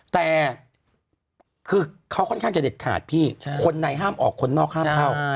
แต่คือเขาค่อนข้างจะเด็ดขาดพี่คนในห้ามออกคนนอกห้ามเข้า